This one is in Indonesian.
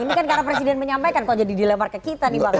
ini kan karena presiden menyampaikan kok jadi dilemar ke kita nih bang